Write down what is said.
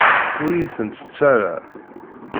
Ur iyi-tent-ttett ara.